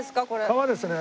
川ですね。